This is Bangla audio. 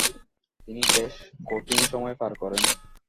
তিনি বেশ কঠিন সময় পার করেন।